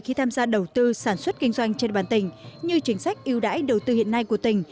khi tham gia đầu tư sản xuất kinh doanh trên bàn tỉnh như chính sách yêu đãi đầu tư hiện nay của tỉnh